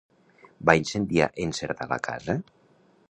Va incendiar en Cerdà la casa?